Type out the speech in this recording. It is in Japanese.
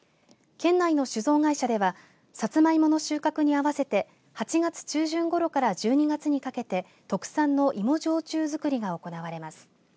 県内の酒造会社ではサツマイモの収穫に合わせて８月中旬ごろから１２月にかけて特産の芋焼酎づくりが行われます。